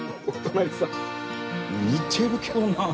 似てるけどな。